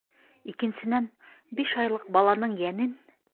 Икенсенән, биш айлыҡ баланың йәнен...